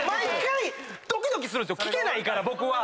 聞けないから僕は。